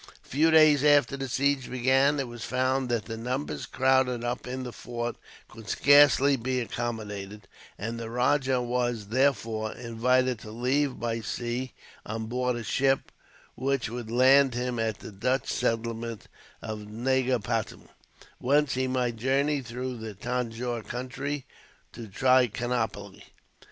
A few days after the siege began, it was found that the numbers crowded up in the fort could scarcely be accommodated; and the rajah was, therefore, invited to leave by sea, on board a ship which would land him at the Dutch settlement of Negapatam, whence he might journey through the Tanjore country to Trichinopoli.